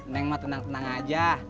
neng mah tenang tenang aja